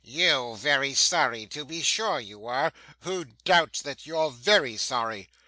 'You very sorry! to be sure you are. Who doubts that you're VERY sorry!